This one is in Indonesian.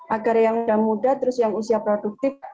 agar yang udah muda terus yang usia produktif